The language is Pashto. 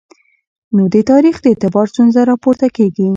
نو د تاریخ د اعتبار ستونزه راپورته کېږي.